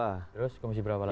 terus komisi berapa lagi